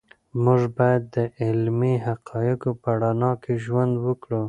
موږ باید د علمي حقایقو په رڼا کې ژوند وکړو.